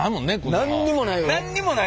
何にもない。